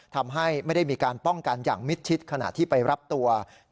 ทำให้ไม่ได้มีการป้องกันอย่างมิดชิดขณะที่ไปรับตัว